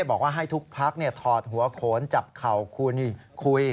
บอกว่าให้ทุกพักถอดหัวโขนจับเข่าคุณคุย